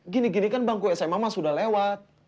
gini gini kan bangku sma mah sudah lewat